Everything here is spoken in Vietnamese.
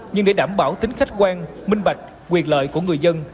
nhưng để đảm bảo tính khách quan minh bạch quyền lợi của người dân